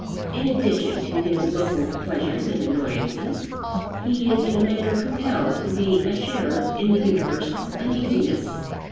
In addition to his local pleasures and annoyances, he is in a manner compelled to be a sharer in the universal uneasiness.